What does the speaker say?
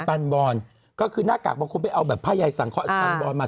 ฟันบอลก็คือหน้ากากบางคนไปเอาแบบผ้าใยสังเคาะสตันบอลมา